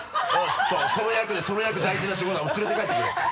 その役ねその役大事な仕事だ連れて帰ってくれ。